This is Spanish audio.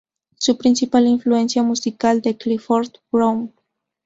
Su principal influencia musical fue Clifford Brown.